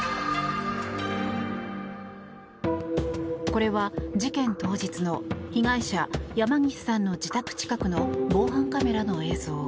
これは事件当日の被害者、山岸さんの自宅近くの防犯カメラの映像。